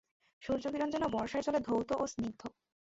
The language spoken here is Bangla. সূর্যকিরণ যেন বর্ষার জলে ধৌত ও স্নিগ্ধ।